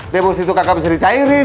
demosi itu kakak bisa dicairin